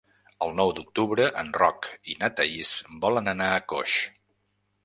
El nou d'octubre en Roc i na Thaís volen anar a Coix.